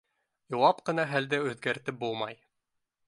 Илап ҡына хәлде үҙгәртеп булмай.